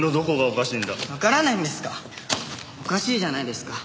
おかしいじゃないですか。